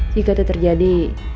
jika itu terjadi